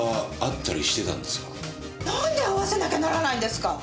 なんで会わせなきゃならないんですか！？